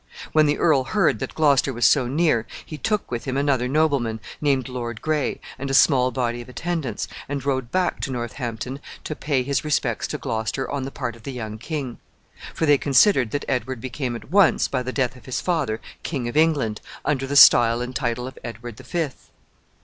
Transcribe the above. When the earl heard that Gloucester was so near, he took with him another nobleman, named Lord Gray, and a small body of attendants, and rode back to Northampton to pay his respects to Gloucester on the part of the young king; for they considered that Edward became at once, by the death of his father, King of England, under the style and title of Edward the Fifth.